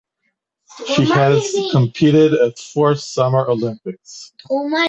She has competed at four Summer Olympics.